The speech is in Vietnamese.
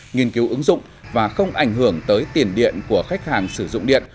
nghiên cứu ứng dụng và không ảnh hưởng tới tiền điện của khách hàng sử dụng điện